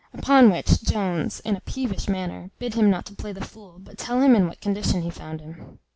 Upon which Jones, in a peevish manner, bid him not play the fool, but tell him in what condition he found him.